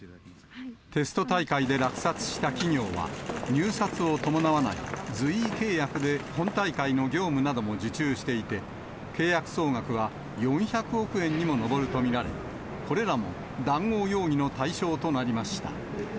テスト大会で落札した企業は、入札を伴わない随意契約で、本大会の業務なども受注していて、契約総額は４００億円にも上ると見られ、これらも談合容疑の対象となりました。